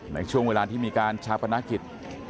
ในช่วงเวลาที่มีการชาปนกิจ